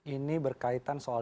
ini berkaitan soal